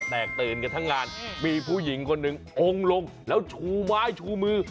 แตกตื่นกันทั้งงานมีผู้หญิงคนหนึ่งองค์ลงแล้วชูไม้ชูมือ